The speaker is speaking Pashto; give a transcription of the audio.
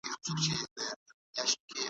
د ازاد انسان خرڅول کوچنۍ ګناه نه ده.